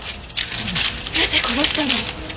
なぜ殺したの？